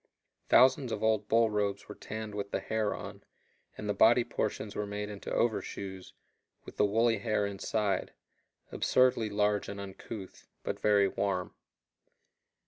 Thousands of old bull robes were tanned with the hair on, and the body portions were made into overshoes, with the woolly hair inside absurdly large and uncouth, but very warm.